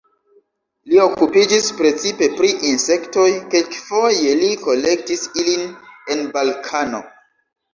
Li okupiĝis precipe pri insektoj, kelkfoje li kolektis ilin en Balkano.